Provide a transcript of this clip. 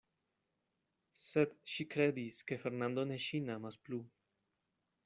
Sed ŝi kredis, ke Fernando ne ŝin amas plu.